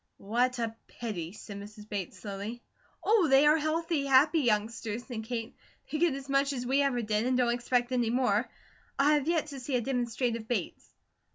"What a pity!" said Mrs. Bates, slowly. "Oh, they are healthy, happy youngsters," said Kate. "They get as much as we ever did, and don't expect any more. I have yet to see a demonstrative Bates."